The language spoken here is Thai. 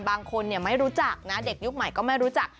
บางคนไม่รู้จักนะเด็กยุคใหม่ก็ไม่รู้จัก